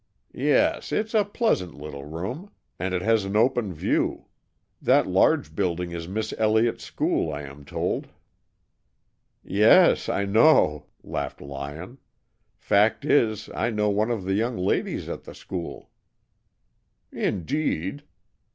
"Yes, it's a pleasant little room. And it has an open view. That large building is Miss Elliott's School, I am told." "Yes, I know," laughed Lyon. "Fact is, I know one of the young ladies at the school." "Indeed?"